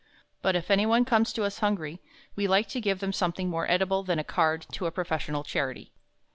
But if anyone comes to us hungry, we like to give them something more edible than a card to a professional charity.